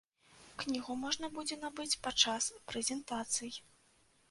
Кнігу можна будзе набыць падчас прэзентацый.